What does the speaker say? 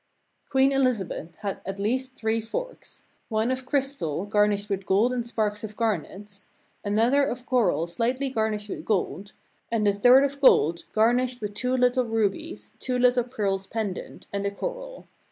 "Queen Elizabeth had at least three forks: one of crystal gar nished with gold and sparks of garnets; another of coral slightly garnished with gold; and a third of gold, garnished with two little rubies, two little pearls pendant, and a coral."